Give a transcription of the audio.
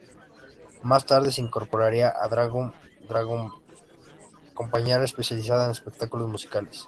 Más tarde se incorporaría a Dagoll-Dagom, compañía especializada en espectáculos musicales.